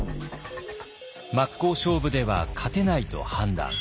真っ向勝負では勝てないと判断。